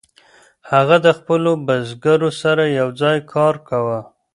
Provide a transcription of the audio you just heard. هغه د خپلو بزګرو سره یوځای کار کاوه.